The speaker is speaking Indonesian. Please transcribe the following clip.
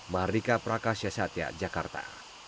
merdeka prakasya satya jakarta